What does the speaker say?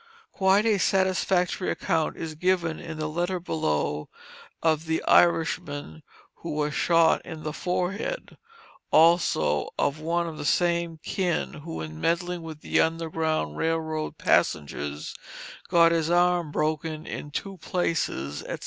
Quite a satisfactory account is given, in the letter below of the "Irishman who was shot in the forehead;" also of one of the same kin, who in meddling with Underground Rail Road passengers, got his arm broken in two places, etc.